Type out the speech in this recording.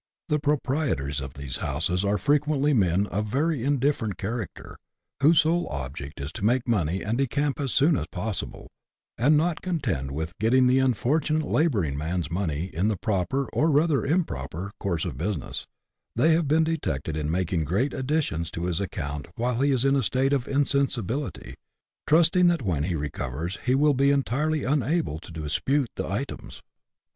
The proprietors of these houses are frequently men of very indifferent character, whose sole object is to make money and decamp as soon as possible ; and, not contented with getting the unfortunate labouring man's money in the proper, or rather improper, course of business, they have been detected in making great additions to his account while he is in a state of insensibility, trusting that when he recovers he will be entirely unable to dispute the items.